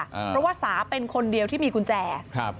เพราะว่าสาเป็นคนเดียวที่มีกุญแจครับ